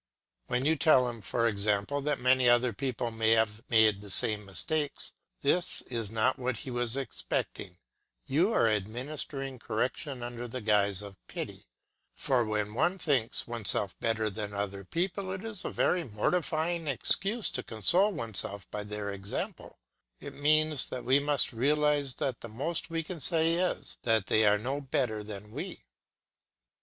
When you tell him, for example, that many other people have made the same mistakes, this is not what he was expecting; you are administering correction under the guise of pity; for when one thinks oneself better than other people it is a very mortifying excuse to console oneself by their example; it means that we must realise that the most we can say is that they are no better than we.